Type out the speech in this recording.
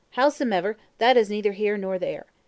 Howsomever, that is neither here nor there.